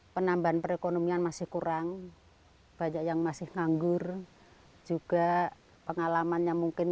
penambahan perekonomian masih kurang banyak yang masih nganggur juga pengalamannya mungkin